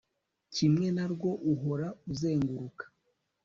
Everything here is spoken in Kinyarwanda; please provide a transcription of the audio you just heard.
kimwe na rwo uhora uzenguruka